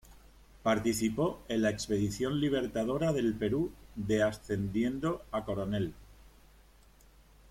Participó en la Expedición Libertadora del Perú de ascendiendo a coronel.